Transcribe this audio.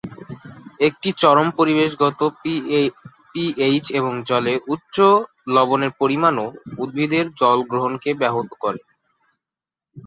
একটি চরম পরিবেশগত পিএইচ এবং জলে উচ্চ লবণের পরিমাণও উদ্ভিদের জল-গ্রহণকে ব্যাহত করে।